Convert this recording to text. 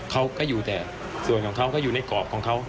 เขาก็อยู่แต่ส่วนของเขาก็อยู่ในกรอบของเขา